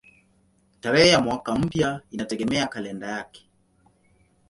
Tarehe ya mwaka mpya inategemea kalenda yake.